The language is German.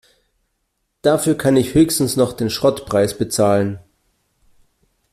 Dafür kann ich höchstens noch den Schrottpreis bezahlen.